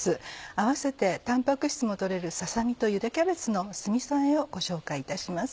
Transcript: あわせてたんぱく質も取れるささ身とゆでキャベツの酢みそあえをご紹介いたします。